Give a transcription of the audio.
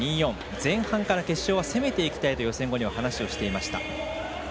前半から決勝は攻めていきたいと予選後には話をしていました。